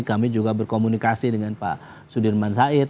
kami juga berkomunikasi dengan pak sudirman said